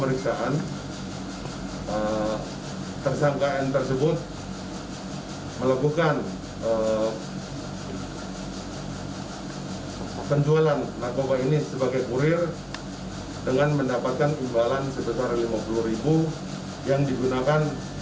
untuk kehidupannya sehari hari